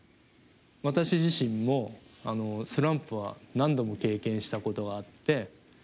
私自身もスランプは何度も経験したことがあって。